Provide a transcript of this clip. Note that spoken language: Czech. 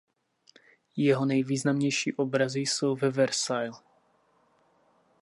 Jeho nejvýznamnější obrazy jsou ve Versailles.